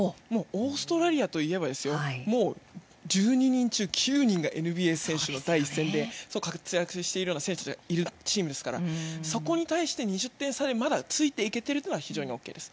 オーストラリアといえばもう、１２人中９人がＮＢＡ選手の第一線で活躍しているような選手がいるチームですからそこに対して２０点差でまだついていけているのは非常に大きいです。